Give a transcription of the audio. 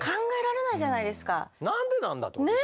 何でなんだと思います？